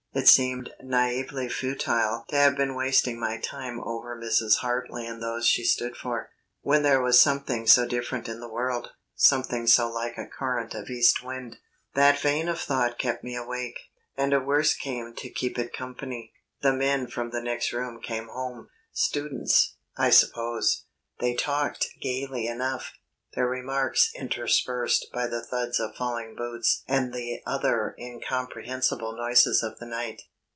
It seemed naïvely futile to have been wasting my time over Mrs. Hartly and those she stood for, when there was something so different in the world something so like a current of east wind. That vein of thought kept me awake, and a worse came to keep it company. The men from the next room came home students, I suppose. They talked gaily enough, their remarks interspersed by the thuds of falling boots and the other incomprehensible noises of the night.